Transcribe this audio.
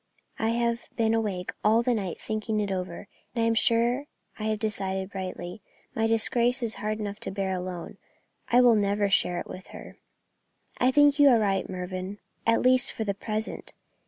I have been awake all the night thinking it over, and I am sure I have decided rightly. My disgrace is hard enough to bear alone; I will never share it with her." "I think you are right, Mervyn at least for the present.